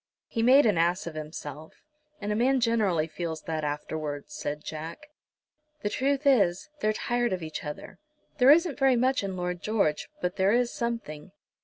"He made an ass of himself, and a man generally feels that afterwards," said Jack. "The truth is, they're tired of each other. There isn't very much in Lord George, but there is something.